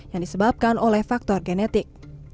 yang disebabkan oleh faktor genetik